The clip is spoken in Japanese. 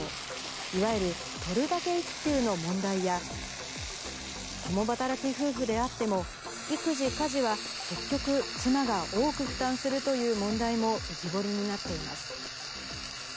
いわゆる取るだけ育休の問題や、共働き夫婦であっても、育児・家事は結局、妻が多く負担するという問題も浮き彫りになっています。